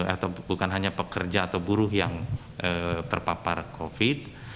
atau bukan hanya pekerja atau buruh yang terpapar covid